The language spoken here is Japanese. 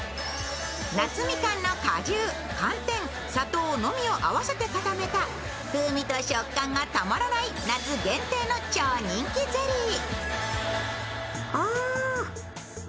夏みかんの果汁、寒天、砂糖のみを合わせてめた風味と食感がたまらない夏限定の超人気ゼリー。